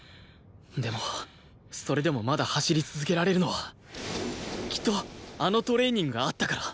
でもそれでもまだ走り続けられるのはきっとあのトレーニングがあったから